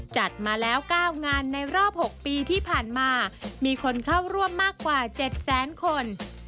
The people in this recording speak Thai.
จัดมาแล้ว๙งานในรอบ๖ปีที่ผ่านมามีคนเข้าร่วมมากกว่า๗แสนคน